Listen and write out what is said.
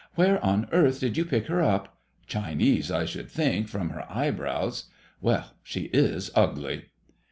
Where on earth did you pick her up ? Chinese, I should think, from her eyebrows. Well, she is ugly